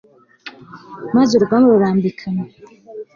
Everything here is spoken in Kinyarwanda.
maze urugamba rurambikana